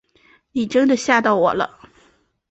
你真的吓到我了